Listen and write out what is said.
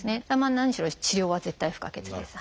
何しろ治療は絶対不可欠です。